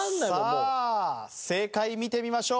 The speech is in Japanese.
さあ正解見てみましょう。